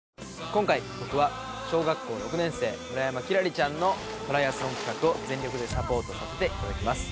今回僕は小学校６年生村山輝星ちゃんのトライアスロン企画を全力でサポートさせていただきます。